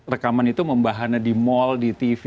rekaman itu membahana di mal di tv